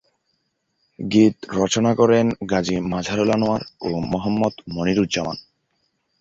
গীত রচনা করেন গাজী মাজহারুল আনোয়ার ও মোহাম্মদ মনিরুজ্জামান।